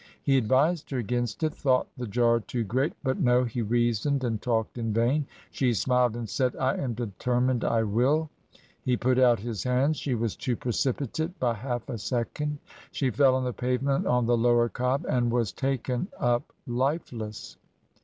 He advised her against it, thought the jaj too great ; but no, he reasoned and talked in vain, she smiled and said, ' I am determined I will ': he put out his hands ; she was too precipitate by half a second ; she fell on the pavement on the Lower Cobb, and was taken up lifeless!